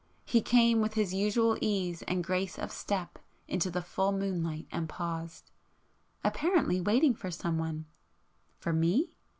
——he came with his usual ease and grace of step into the full moonlight and paused,—apparently waiting for some one. For me?